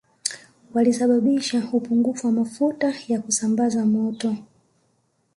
Walisababisha upungufu wa mafuta ya kusambaza moto